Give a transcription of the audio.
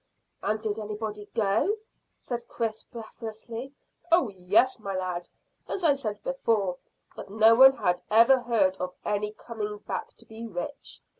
"And did anybody go?" said Chris breathlessly. "Oh yes, my lad, as I said before; but no one had ever heard of any coming back to be rich.